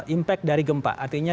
impact dari gempa artinya